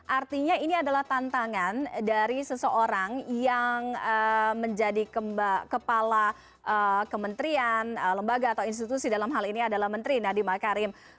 artinya ini adalah tantangan dari seseorang yang menjadi kepala kementerian lembaga atau institusi dalam hal ini adalah menteri nadiem akarim